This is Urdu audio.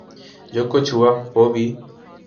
جو کچھ ہوا، وہ بھی